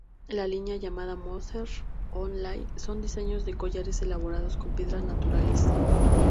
La línea llamada Mother of Life, son diseños de collares elaborados con piedras naturales.